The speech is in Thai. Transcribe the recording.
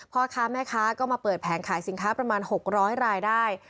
พ่อค้าแม่ค้าก็มาเปิดแผงขายสินค้าประมาณ๖๐๐รายได้